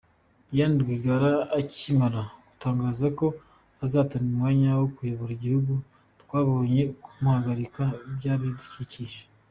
Diane Rwigara akimara gutangaza ko azahatanira umwanya wo kuyobora igihugu twabonye kumuharabika byabikurikiye.